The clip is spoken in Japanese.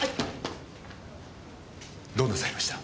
どうなさいました？